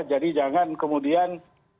jadi jangan kemudian